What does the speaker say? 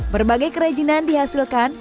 berbagai kerajinan dihasilkan